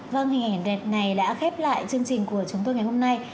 vâng hình ảnh đẹp này đã khép lại chương trình của chúng tôi ngày hôm nay